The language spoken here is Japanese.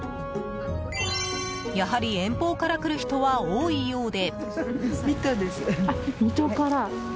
やはり遠方から来る人は多いようで。